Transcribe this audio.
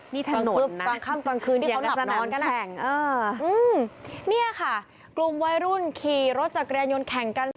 นี่ถนนนะอย่างกับสนามแข่งนี่ค่ะกลุ่มวัยรุ่นขี่รถจากเรียนยนต์แข่งกัน